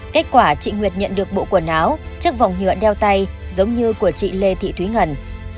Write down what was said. kết quả chị nguyệt nhận được bộ quần áo trước vòng nhựa đeo tay giống như của chị lê thị thúy ngân